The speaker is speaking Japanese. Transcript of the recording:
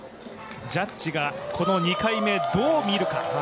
ジャッジがこの２回目、どう見るか。